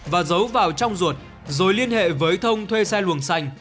và giấu vào trong ruột rồi liên hệ với thông thuê xe luồng xanh